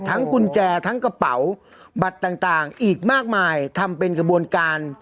กุญแจทั้งกระเป๋าบัตรต่างอีกมากมายทำเป็นกระบวนการ